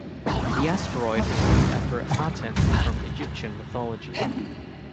The asteroid was named after Aten from Egyptian mythology.